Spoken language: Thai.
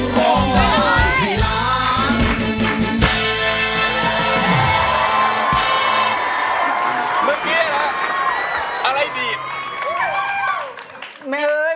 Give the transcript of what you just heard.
ร้องได้